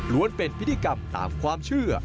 เป็นพิธีกรรมตามความเชื่อ